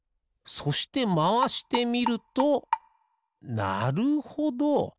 そしてまわしてみるとなるほど。